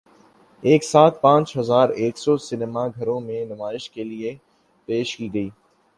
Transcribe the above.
ایک ساتھ پانچ ہزار ایک سو سینما گھروں میں نمائش کے لیے پیش کی گئی